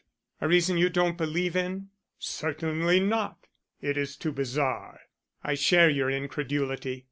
"A reason you don't believe in?" "Certainly not. It is too bizarre." "I share your incredulity.